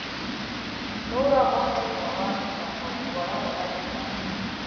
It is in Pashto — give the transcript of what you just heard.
نوره غوښه یې را واخیسته او وړه وړه یې کړه.